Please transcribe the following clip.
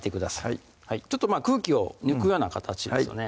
はいちょっとまぁ空気を抜くような形ですよね